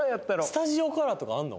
スタジオからとかあんの？